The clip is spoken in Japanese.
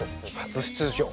初出場。